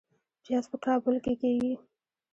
پیاز په کابل کې کیږي